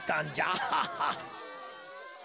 アハハッ。